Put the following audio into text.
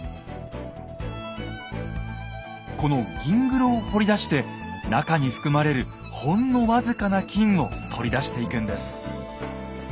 この銀黒を掘り出して中に含まれるほんの僅かな金を取り出していくんです。